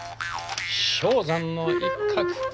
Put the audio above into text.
氷山の一角。